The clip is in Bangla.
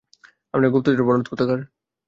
আমরা গুপ্তচর, বলদ কোথাকার।